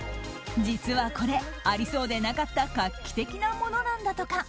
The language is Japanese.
実はこれ、ありそうでなかった画期的なものなんだとか。